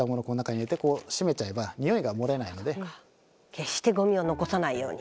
決してゴミを残さないように。